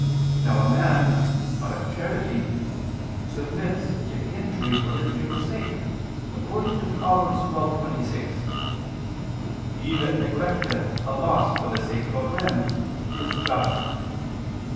Now a man, out of charity, submits to injury for his neighbor's sake, according to Prov. 12:26: "He that neglecteth a loss for the sake of a friend, is just."